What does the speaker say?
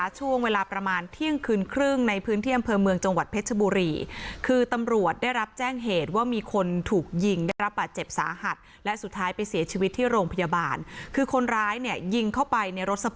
ช่วงเวลาประมาณไม่เที่ยวใน